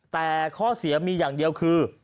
แต่ข้อเสียมีอย่างเดียวคือ